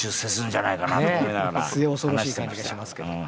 これねっ末恐ろしい感じがしますけど。